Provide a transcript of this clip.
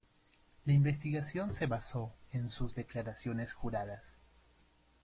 La investigación se basó en sus declaraciones juradas.